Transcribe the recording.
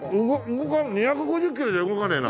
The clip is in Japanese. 動かない２５０キロじゃ動かねえな。